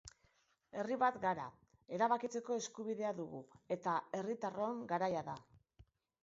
Herri bat gara, erabakitzeko eskubidea dugu eta herritarron garaia da.